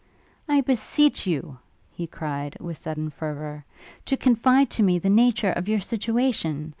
'I beseech you,' cried he, with sudden fervour, 'to confide to me the nature of your situation!